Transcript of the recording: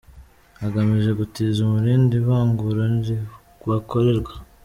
’ agamije gutiza umurindi ivangura ribakorerwa.